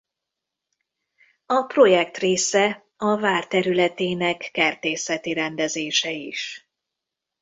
A projekt része a vár területének kertészeti rendezése is.